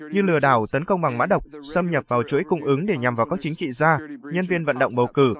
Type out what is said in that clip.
như lừa đảo tấn công bằng mã độc xâm nhập vào chuỗi cung ứng để nhằm vào các chính trị gia nhân viên vận động bầu cử